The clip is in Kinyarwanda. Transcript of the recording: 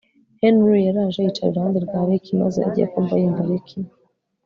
Henry yaraje yicara iruhande rwa Rick maze agiye kumva yumva Rick